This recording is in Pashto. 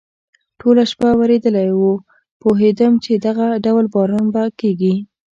ټوله شپه ورېدلی و، پوهېدم چې دغه ډول باران به کېږي.